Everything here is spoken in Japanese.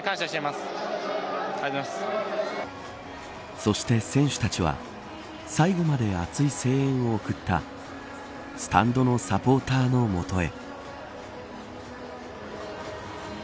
そして選手たちは最後まで熱い声援を送ったスタンドのサポーターの元へ。